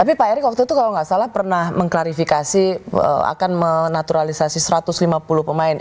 tapi pak erick waktu itu kalau nggak salah pernah mengklarifikasi akan menaturalisasi satu ratus lima puluh pemain